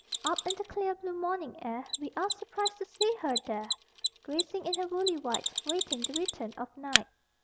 Up in the clear blue morning air We are surprised to see her there, Grazing in her woolly white, Waiting the return of night.